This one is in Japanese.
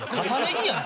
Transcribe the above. それ。